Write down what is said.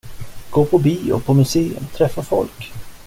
Gå på bio, på museum, träffa folk.